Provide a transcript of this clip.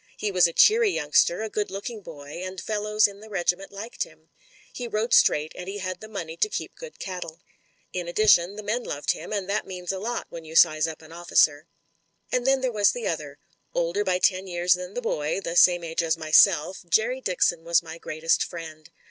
He was a cheery youngster, a good looking boy, and fellows in the regiment liked him. He rode straight, and he had the money to keep good cattle. In addi tion, the men loved him, and that means a lot when you size up an officer. And then there was the other. Older by ten years than the boy — ^the same age as myself — ^Jerry Dixon was my greatest friend.